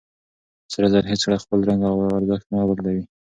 سره زر هيڅکله خپل رنګ او ارزښت نه بدلوي.